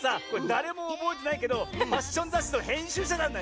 だれもおぼえてないけどファッションざっしのへんしゅうしゃなんだ！